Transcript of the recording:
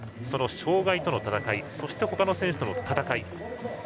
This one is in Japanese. その障害との戦い、そしてほかの選手との戦い。